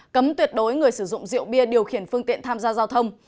cấm tuyệt đối người sử dụng rượu bia điều khiển phương tiện tham gia giao thông